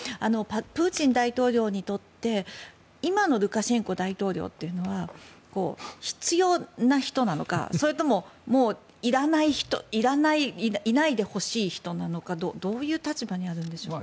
プーチン大統領にとって今のルカシェンコ大統領というのは必要な人なのかそれとも、もういらないいないでほしい人なのかどういう立場にあるんですか。